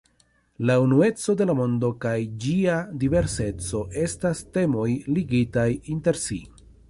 La unueco de la mondo kaj ĝia diverseco estas temoj ligitaj inter si.